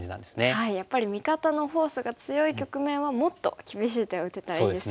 やっぱり味方のフォースが強い局面はもっと厳しい手を打てたらいいですよね。